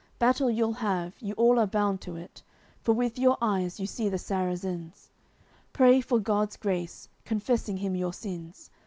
Battle you'll have, you all are bound to it, For with your eyes you see the Sarrazins. Pray for God's grace, confessing Him your sins!